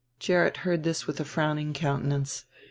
Gerrit heard this with a frowning countenance.